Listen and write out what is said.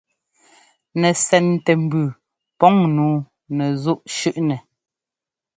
Nɛsɛntɛmbʉʉ pɔŋ nǔu nɛzúꞌ shʉ́ꞌnɛ.